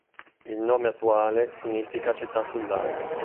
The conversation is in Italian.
Il nome attuale significa "città sul lago".